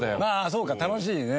そうか楽しいね。